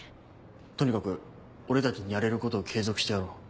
とにかく俺たちにやれることを継続してやろう。